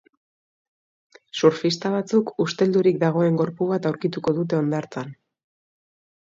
Surfista batzuk usteldurik dagoen gorpu bat aurkituko dute hondartzan.